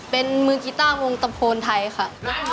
เป็นมือกีต้าวงตะโพนไทยค่ะ